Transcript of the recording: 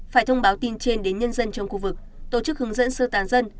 phải thông báo tin trên đến nhân dân trong khu vực tổ chức hướng dẫn sơ tán dân